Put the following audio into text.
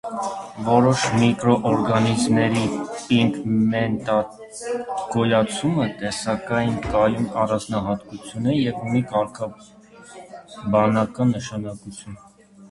Որոշ միկրոօրգանիզմների պիգմենտագոյացումը տեսակային կայուն առանձնահատկություն է և ունի կարգաբանական նշանակություն։